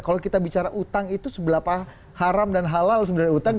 kalau kita bicara utang itu seberapa haram dan halal sebenarnya utang